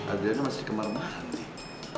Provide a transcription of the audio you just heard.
adriana masih di kemar kemaran nih